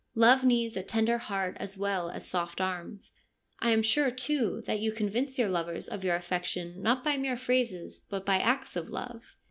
Love needs a tender heart as well as soft arms. I am sure, too, that you convince your lovers of your affection not by mere phrases, but by acts of love.'